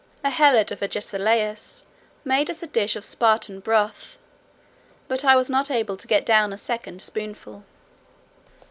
A helot of Agesilaus made us a dish of Spartan broth, but I was not able to get down a second spoonful.